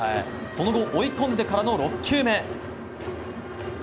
その後、追い込んでからの６球目。